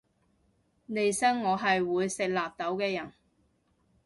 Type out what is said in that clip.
利申我係會食納豆嘅人